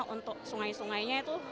untuk sungai sungainya itu